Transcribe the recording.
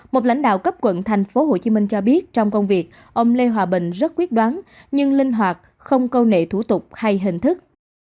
một lãnh đạo cấp quận tp hcm cho biết trong công việc ông lê hòa bình rất quyết đoán nhưng linh hoạt không công nghệ thủ tục hay hình thức